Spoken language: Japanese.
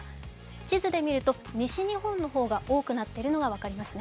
地図で見ると西日本の方が多くなっていることが分かりますね。